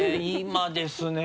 今ですね。